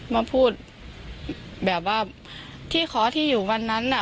มาพูดแบบว่าที่ขอที่อยู่วันนั้นน่ะ